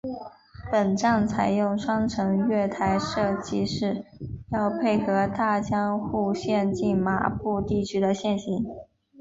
本站采用双层月台设计是要配合大江户线近麻布地区的线形。